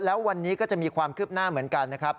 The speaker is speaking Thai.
แล้ววันนี้ก็จะมีความคืบหน้าเหมือนกันนะครับ